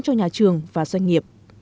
cho nhà trường và doanh nghiệp